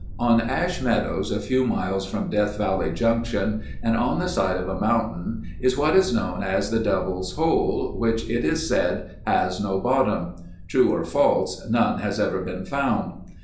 On Ash Meadows, a few miles from Death Valley Junction and on the side of a mountain is what is known as The Devil's Hole which it is said has no bottom. True or false, none has ever been found.